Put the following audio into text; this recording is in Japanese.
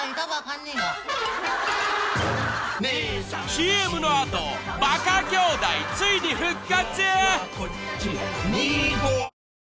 ［ＣＭの後ばか兄弟ついに復活！］